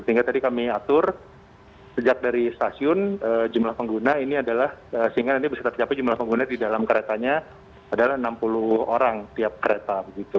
sehingga tadi kami atur sejak dari stasiun jumlah pengguna ini adalah sehingga nanti bisa tercapai jumlah pengguna di dalam keretanya adalah enam puluh orang tiap kereta